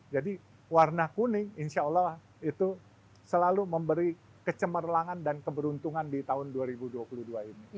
jadi warna kuning insya allah itu selalu memberi kecemerlangan dan keberuntungan di tahun dua ribu dua puluh dua ini